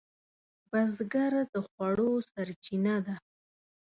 بزګر د خوړو سرچینه ده